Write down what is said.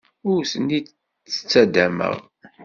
Ur ten-id-ttaddameɣ.